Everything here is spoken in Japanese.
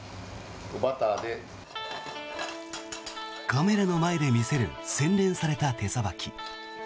カメラの前で見せる洗練された手さばき。